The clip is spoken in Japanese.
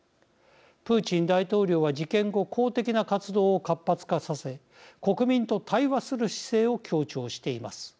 プーチン大統領は事件後公的な活動を活発化させ国民と対話する姿勢を強調しています。